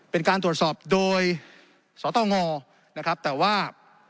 เป็นการตรวจสอบโดยสตงนะครับแต่ว่า